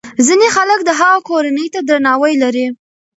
ځینې خلک د هغه کورنۍ ته درناوی لري.